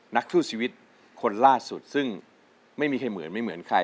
นักสู้ชีวิตคนล่าสุดซึ่งไม่มีใครเหมือนไม่เหมือนใคร